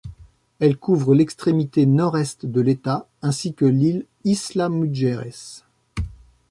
Elle couvre l'extrémité nord-est de l'État ainsi que l'île Isla Mujeres.